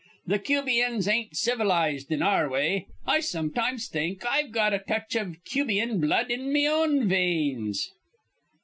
Th' Cubians ain't civilized in our way. I sometimes think I've got a touch iv Cubian blood in me own veins."